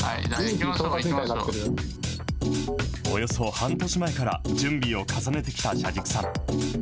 およそ半年前から準備を重ねてきた車軸さん。